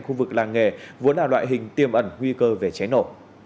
khu vực làng nghề vốn là loại hình tiêm ẩn nguy cơ về cháy nổ